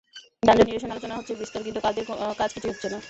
যানজট নিরসনে আলোচনা হচ্ছে বিস্তর, কিন্তু কাজের কাজ কিছুই হচ্ছে না।